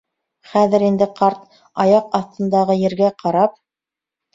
Хәҙер инде ҡарт, аяҡ аҫтындағы ергә ҡарап: